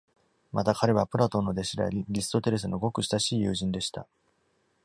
また彼はプラトンの弟子であり、リストテレスのごく親しい友人でした。